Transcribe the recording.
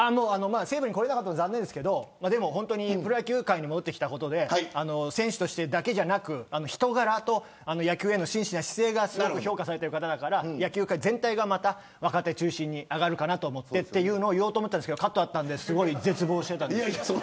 西武に来れなかったのは残念ですけどプロ野球界に戻ってきたことで選手としてだけでなく人柄と野球への真摯な姿勢が評価されている方だから野球界全体が若手中心に上がるかなと思ってというのを言おうと思ったんですけどカットされたのですごい絶望しています。